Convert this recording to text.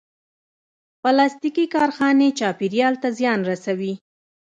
پلاستيکي کارخانې چاپېریال ته زیان رسوي.